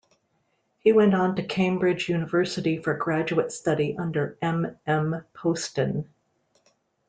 He went on to Cambridge University for graduate study under M. M. Postan.